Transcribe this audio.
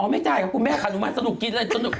อ๋อไม่จ่ายคุณแม่ขาหนูมาสนุกกินเลย